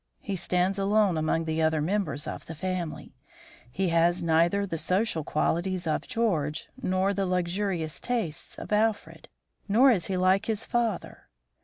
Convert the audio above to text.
He stands alone among the other members of the family. He has neither the social qualities of George nor the luxurious tastes of Alfred. Nor is he like his father.